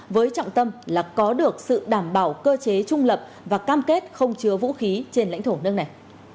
với trọng tâm là có được sự đảm bảo cơ chế trung lập và cam kết không chứa vũ khí trên lãnh thổ nước này